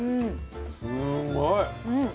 すんごい。